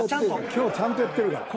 今日ちゃんとやってるからずっと。